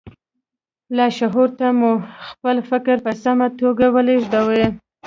لاشعور ته مو خپل فکر په سمه توګه ولېږدوئ